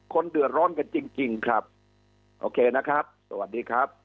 คนเดือดร้อนกันจริงจริงครับโอเคนะครับสวัสดีครับ